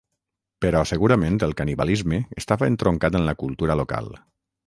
Però segurament el canibalisme estava entroncat en la cultura local.